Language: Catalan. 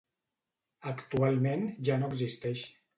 Actualment ja no existeix.